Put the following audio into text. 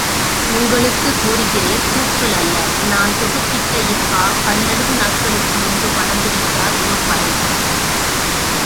உங்களுக்குக் கூறுகிறேன் தூற்றலல்ல, நான் தொகுத்திட்ட இப்பா பன்னெடு நாட்களுக்கு முன்பு படம் பிடித்தார் ஓர் பரங்கி.